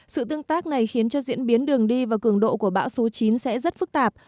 sự tương tác này khiến cho diễn biến đường đi và cường độ của bão số chín sẽ rất phức tạp